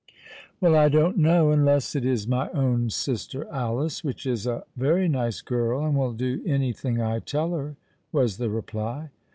"Well—I don't know—unless it is my own sister Alice, which is a very nice girl, and will do any thing I tell her," was the reply.